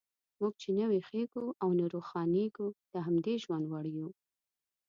موږ چې نه ویښیږو او نه روښانیږو، د همدې ژوند وړ یو.